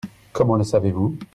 Comment le savez-vous ?